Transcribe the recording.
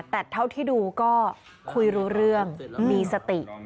แต่เท่าที่ดูก็คุยรู้เรื่องมีสติ